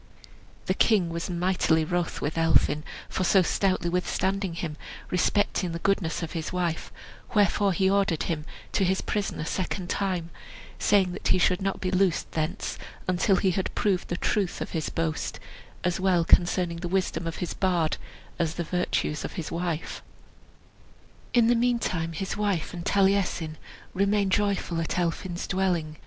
The king was mightily wroth with Elphin for so stoutly withstanding him, respecting the goodness of his wife; wherefore he ordered him to his prison a second time, saying that he should not be loosed thence until he had proved the truth of his boast, as well concerning the wisdom of his bard as the virtues of his wife. In the meantime his wife and Taliesin remained joyful at Elphin's dwelling.